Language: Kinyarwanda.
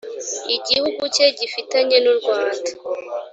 igihugu cye gifitanye n u rwanda